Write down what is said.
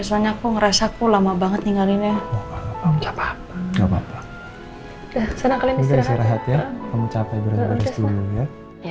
senang kali ini istirahat ya kamu capek ya